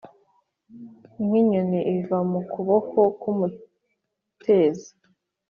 nk’inyoni iva mu kuboko k’umutezi